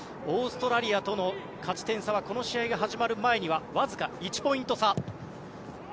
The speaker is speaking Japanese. オーストラリアとの勝ち点差はこの試合が始まる前にはわずか１ポイント差。